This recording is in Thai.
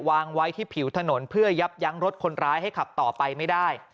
วางไว้ที่ผิวถนนเพื่อยับยั้งรถคนร้ายให้ขับต่อไปไม่ได้